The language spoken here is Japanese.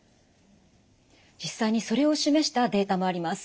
実際にそれを示したデータもあります。